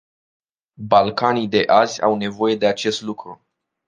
Balcanii de azi au nevoie de acest lucru.